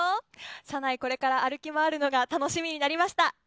社内これから歩き回るのが楽しみになりました。